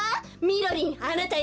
みろりんあなた